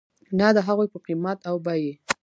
نه د هغوی په قیمت او بیې .